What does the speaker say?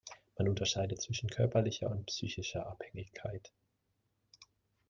Man unterscheidet zwischen körperlicher und psychischer Abhängigkeit.